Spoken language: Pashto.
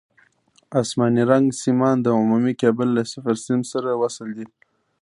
اسماني رنګ سیمان د عمومي کیبل له صفر سیم سره وصل دي.